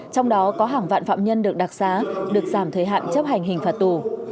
trong đó có hàng vạn phạm nhân được đặc xá được giảm thời hạn chấp hành hình phạt tù